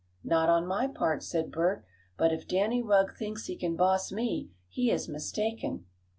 "Not on my part," said Bert "But if Danny Rugg thinks he can boss me he is mistaken."